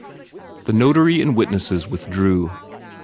The notary and witnesses withdrew.